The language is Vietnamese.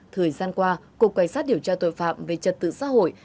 thời gian qua cục cảnh sát điều tra tội phạm về trật tự xã hội